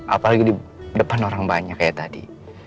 apalagi di depan orang banyak ya tadi